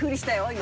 今。